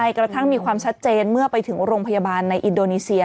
กระทั่งมีความชัดเจนเมื่อไปถึงโรงพยาบาลในอินโดนีเซีย